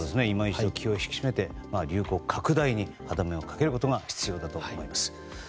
今一度気を引き締めて流行拡大に歯止めをかけることが必要だと思います。